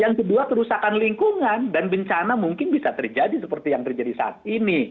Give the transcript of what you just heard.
yang kedua kerusakan lingkungan dan bencana mungkin bisa terjadi seperti yang terjadi saat ini